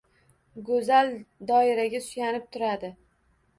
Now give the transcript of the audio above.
Go‘zal doiraga suyanib turadi.